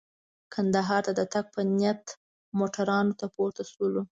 کندهار ته د تګ په نیت موټرانو ته پورته شولو.